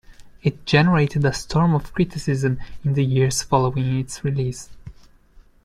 It "generated a storm of criticism in the years following its release".